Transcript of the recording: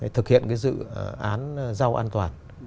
thực hiện cái dự án rau an toàn